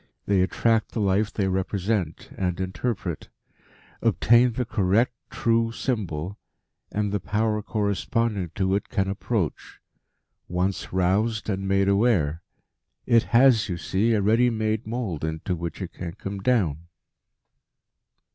They attract the life they represent and interpret. Obtain the correct, true symbol, and the Power corresponding to it can approach once roused and made aware. It has, you see, a ready made mould into which it can come down."